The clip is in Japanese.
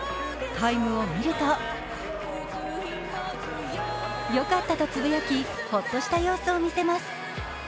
タイムを見ると良かったとつぶやき、ほっとした様子を見せます。